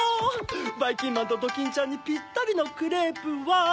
ばいきんまんとドキンちゃんにピッタリのクレープは